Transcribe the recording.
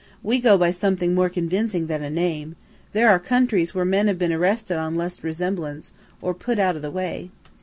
We go by something more convincing than a name. There are countries where men have been arrested on less resemblance or put out of the way."